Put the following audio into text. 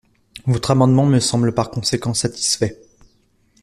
» Votre amendement me semble par conséquent satisfait.